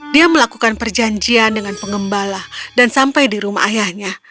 dia melakukan perjanjian dengan pengembala dan sampai di rumah ayahnya